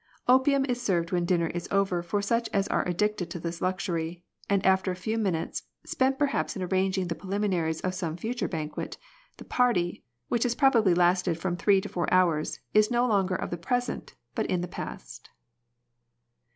Opium is served when dinner is over for such as are addicted to this luxury ; and after a few minutes, spent perhaps in arranging the prelimi naries of some future banquet, the party, which has probably lasted from three to four hours, is no longer of the present but in the past.